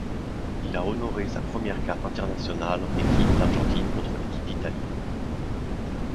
Il a honoré sa première cape internationale en équipe d'Argentine le contre l'équipe d'Italie.